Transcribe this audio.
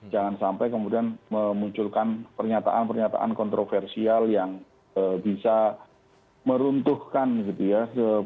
jangan sampai kemudian memunculkan pernyataan pernyataan kontroversial yang bisa meruntuhkan gitu ya